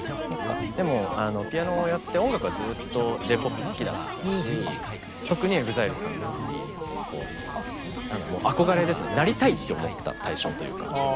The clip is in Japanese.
でもピアノをやって音楽はずっとＪ−ＰＯＰ好きだったし特にＥＸＩＬＥさんに何だろうもう憧れですねなりたいって思った対象というか。